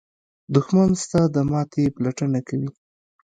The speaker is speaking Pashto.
دښمن ستا د ماتې پلټنه کوي